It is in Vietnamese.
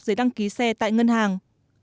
giấy đăng ký xe tại ngân hàng